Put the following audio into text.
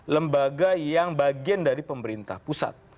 lembaga yang bagian dari pemerintah pusat